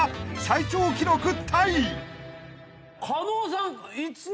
［最長記録タイ］